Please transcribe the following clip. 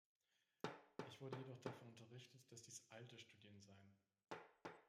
Ich wurde jedoch davon unterrichtet, dass dies alte Studien seien.